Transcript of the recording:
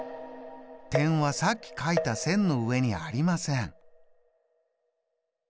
点はさっきかいた線の上にありません。